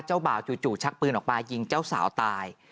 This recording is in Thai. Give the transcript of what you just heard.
บ่าวจู่ชักปืนออกมายิงเจ้าสาวตาย